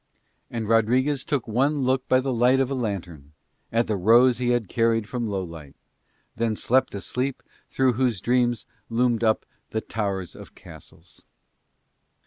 And Rodriguez took one look by the light of a lantern at the rose he had carried from Lowlight, then slept a sleep through whose dreams loomed up the towers of castles.